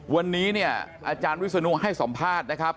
วันนี้เนี่ยอาจารย์วิศนุให้สัมภาษณ์นะครับ